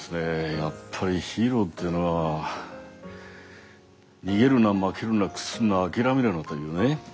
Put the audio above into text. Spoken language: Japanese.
やっぱりヒーローというのは逃げるな負けるな屈するな諦めるなというね。